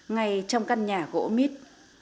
ngay trong căn nhà gỗ mít